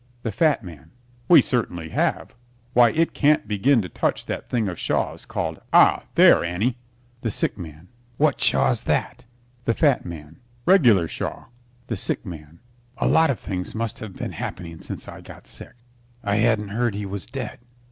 THE FAT MAN We certainly have. Why, it can't begin to touch that thing of Shaw's called "Ah, There, Annie!" THE SICK MAN What Shaw's that? THE FAT MAN Regular Shaw. THE SICK MAN A lot of things must have been happening since I got sick. I hadn't heard he was dead.